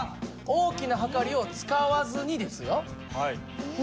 大きなはかりを使わずにですよ。